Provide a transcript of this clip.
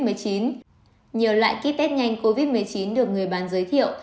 nhiều loại ký test nhanh covid một mươi chín được người bán giới thiệu